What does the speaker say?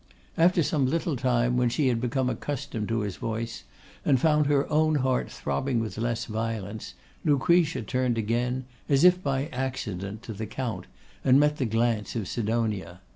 After some little time, when she had become accustomed to his voice, and found her own heart throbbing with less violence, Lucretia turned again, as if by accident, to the Count, and met the glance of Sidonia.